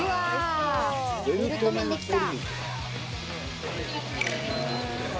ベルト麺できた！